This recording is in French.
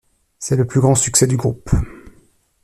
C'est le plus grand succès du groupe.